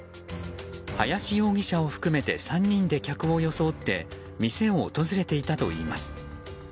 林容疑者を含めて３人で客を装って店を訪れていたといいます。